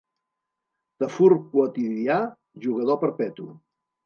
Tafur quotidià, jugador perpetu.